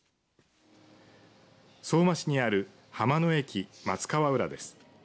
相馬市にある浜の駅松川浦です。